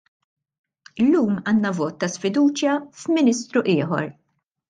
Illum għandna vot ta' sfiduċja f'ministru ieħor.